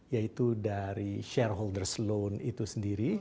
yaitu dari shareholders loan itu sendiri